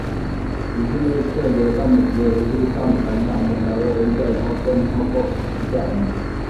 Uzi neza icyongereza mugihe uzi gutandukanya umugabo urya inkoko ninkoko irya umugabo.